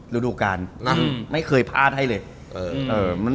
รู้ดูกันไม่เคยพลาดให้เลย